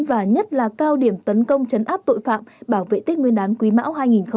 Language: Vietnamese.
và nhất là cao điểm tấn công chấn áp tội phạm bảo vệ tích nguyên đán quý mão hai nghìn hai mươi bốn